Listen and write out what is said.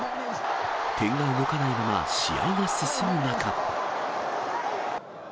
点が動かないまま試合が進む中。